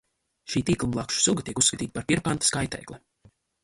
Šī tīklblakšu suga tiek uzskatīta par pirokantas kaitēkli.